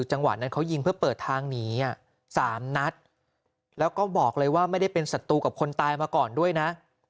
จังหวะนั้นเขายิงเพื่อเปิดทางหนี๓นัดแล้วก็บอกเลยว่าไม่ได้เป็นศัตรูกับคนตายมาก่อนด้วยนะ